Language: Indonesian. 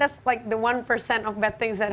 dari hal buruk yang terjadi pada kita